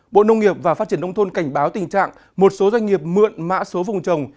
bộ nông nghiệp và phát triển nông thôn cảnh báo tình trạng một số doanh nghiệp mượn mã số vùng trồng